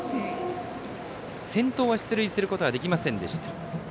先頭は出塁することはできませんでした。